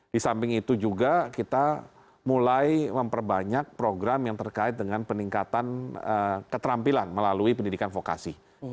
di samping itu juga kita mulai memperbanyak program yang terkait dengan peningkatan keterampilan melalui pendidikan vokasi